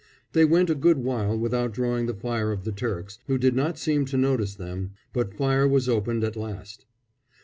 They went a good while without drawing the fire of the Turks, who did not seem to notice them; but fire was opened at last.